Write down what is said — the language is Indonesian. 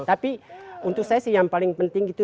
tapi untuk saya sih yang paling penting gitu